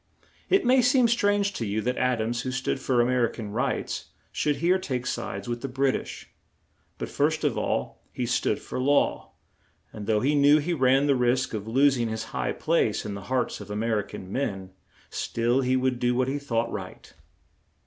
It may seem strange to you that Ad ams, who stood for A mer i can rights, should here take sides with the Brit ish; but, first of all, he stood for law; and, though he knew he ran the risk of los ing his high place in the hearts of A mer i can men, still he would do what he thought right.